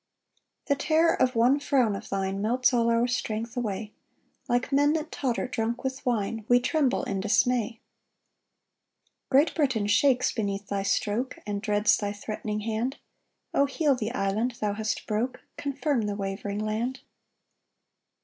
2 The terror of one frown of thine Melts all our strength away; Like men that totter drunk with wine, We tremble in dismay. 3 Great Britain shakes beneath thy stroke, And dreads thy threatening hand; O heal the island thou hast broke, Confirm the wavering land.